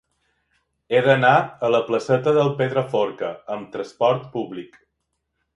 He d'anar a la placeta del Pedraforca amb trasport públic.